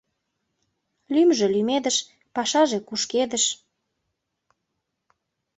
ЛӰМЖӦ — ЛӰМЕДЫШ, ПАШАЖЕ — КУШКЕДЫШ